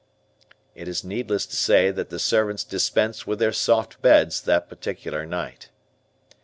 It is needless to say that the servants dispensed with their soft beds that particular night.